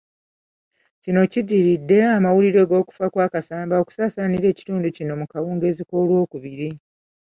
Kino kiddiridde amawulire g'okufa kwa Kasamba okusaasaanira ekitundu kino mu kawungeezi k'Olwookubiri.